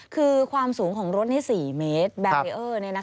คือความสูงของรถ๔เมตรบาเรอร์นี้นะคะ